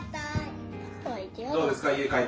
・どうですか？